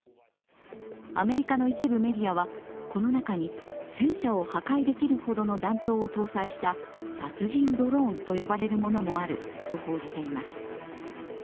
アメリカの一部メディアはこの中に戦車を破壊できるほどの弾頭を搭載した殺人ドローンと呼ばれるものもあると報じています。